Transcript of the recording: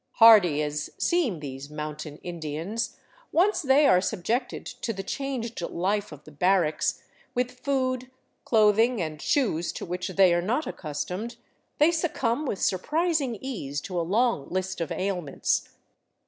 Hardy as seem these mountain Indians, once they are subjected to the changed life of the barracks, with food, clothing, and shoes to which they are not accustomed, they succumb with surprising ease to a long list of ailments.